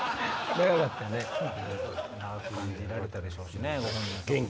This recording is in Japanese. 長く感じられたでしょうしね。